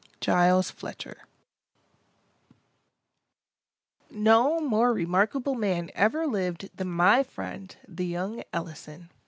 —GILES FLETCHER No more remarkable man ever lived than my friend, the young Ellison.